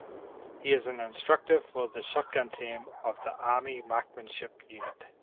He is an instructor for the shotgun team of the Army Marksmanship Unit.